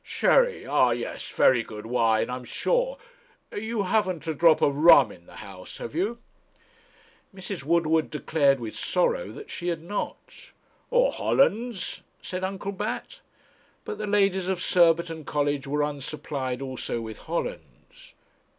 'Sherry, ah! yes; very good wine, I am sure. You haven't a drop of rum in the house, have you?' Mrs. Woodward declared with sorrow that she had not. 'Or Hollands?' said Uncle Bat. But the ladies of Surbiton Cottage were unsupplied also with Hollands.